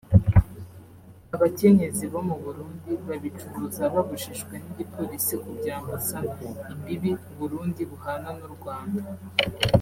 Abakenyezi bo mu Burundi babicuruza babujijwe n’Igipolisi kubyambutsa imbibi u Burundi buhana n’u Rwanda